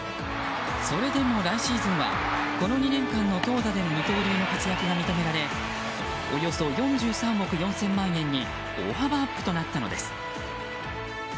それでも、来シーズンはこの２年間の投打での二刀流の活躍が認められおよそ４３億４０００万円に大幅アップとなったのです。